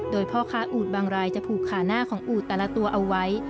โดยพ่อค้าอูดบางรายจะผูกขาหน้าของอูดแต่ละตัวเอาไว้